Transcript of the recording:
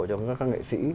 cho các nghệ sĩ